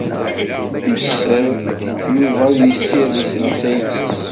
Yuser Yuba ad yessired iselsa-is.